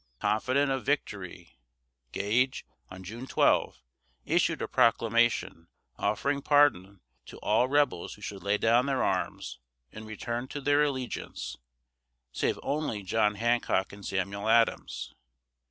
Confident of victory, Gage, on June 12, issued a proclamation offering pardon to all rebels who should lay down their arms and return to their allegiance, save only John Hancock and Samuel Adams.